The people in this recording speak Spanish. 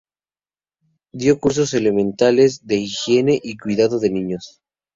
Dio cursos elementales de higiene y cuidado de niños.